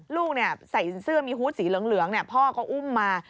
ลูกใส่เสื้อมีฮูตสีเหลืองพ่อก็อุ้มมา